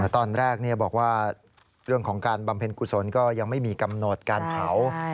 ตอนแรกบอกว่าเรื่องของการบำเพ็ญกุศลก็ยังไม่มีกำหนดการเผา